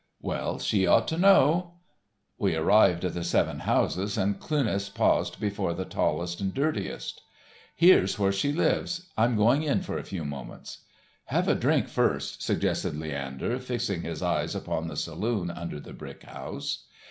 "Well, she ought to know." We arrived at the Seven Houses and Cluness paused before the tallest and dirtiest. "Here's where she lives; I'm going up for a few moments." "Have a drink first," suggested Leander, fixing his eyes upon the saloon under the brick house.